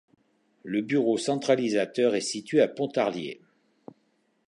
Le bureau centralisateur est situé à Pontarlier.